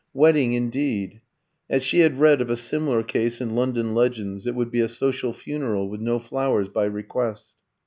Wedding indeed! As she had read of a similar case in "London Legends," it would be a "social funeral, with no flowers by request."